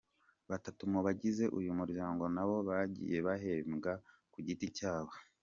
Batatu mu bagize uyu muryango nabo bagiye bahembwa ku giti cyabo.